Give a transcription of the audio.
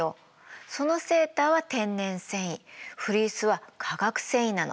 そのセーターは天然繊維フリースは化学繊維なの。